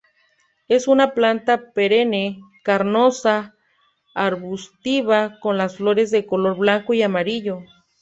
Es una planta perenne carnosa, arbustiva con las flores de color blanco y amarillo.